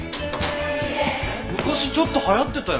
昔ちょっと流行ってたよ。